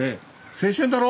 「青春だろ」。